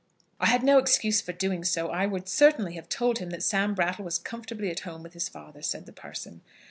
"I had no excuse for doing so, or I would certainly have told him that Sam Brattle was comfortably at home with his father," said the parson.